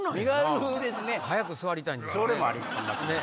それもありますね